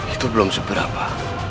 itu belum seberapa